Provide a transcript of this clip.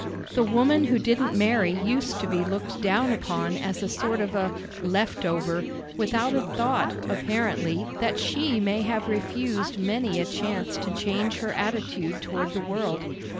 The woman who didn't marry used to be looked down upon as a sort of a "leftover" without a thought, apparently, that she may have refused many a chance to change her attitude toward the world.